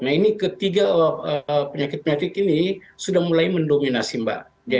nah ini ketiga penyakit penyakit ini sudah mulai mendorong